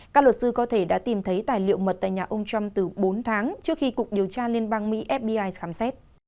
các luật sư có thể đã tìm thấy tài liệu mật tại nhà ông trump từ bốn tháng trước khi cục điều tra liên bang mỹ fbi khám xét